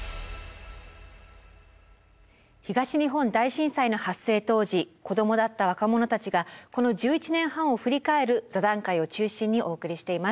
東日本大震災の発生当時子どもだった若者たちがこの１１年半を振り返る座談会を中心にお送りしています。